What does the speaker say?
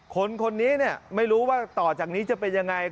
คนนี้ไม่รู้ว่าต่อจากนี้จะเป็นอย่างไร